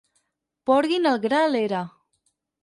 Porguin el gra a l'era.